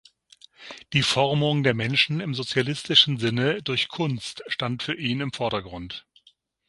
Die Formung der Menschen im sozialistischen Sinne durch Kunst stand für ihn im Vordergrund.